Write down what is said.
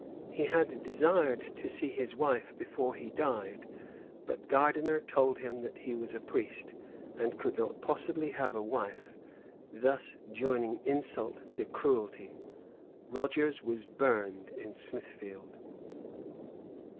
He had desired to see his wife before he died; but Gardiner told him that he was a priest, and could not possibly have a wife; thus joining insult to cruelty. Rogers was burned in Smithfield.